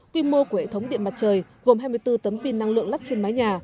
quy mô của hệ thống điện mặt trời gồm hai mươi bốn tấm pin năng lượng lắp trên mái nhà